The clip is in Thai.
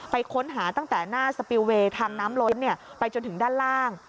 ค้นหาตั้งแต่หน้าสปิลเวย์ทางน้ำล้นไปจนถึงด้านล่าง